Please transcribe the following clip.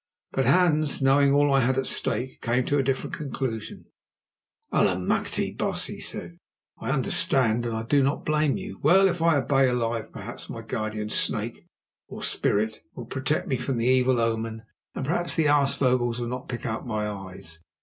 But Hans, knowing all I had at stake, came to a different conclusion. "Allemachte! baas," he said, "I understand, and I do not blame you. Well, if I obey alive, perhaps my guardian Snake" (or spirit) "will protect me from the evil omen, and perhaps the aasvogels will not pick out my eyes.